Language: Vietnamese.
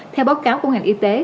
theo báo cáo của ngành y tế